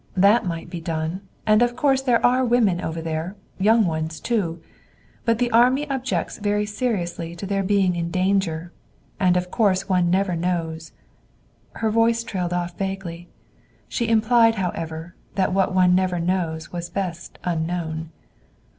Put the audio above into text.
That might be done. And of course there are women over there young ones too. But the army objects very seriously to their being in danger. And of course one never knows " Her voice trailed off vaguely. She implied, however, that what one never knows was best unknown.